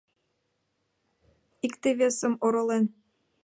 Икте-весым оролен.